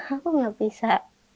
aku tidak bisa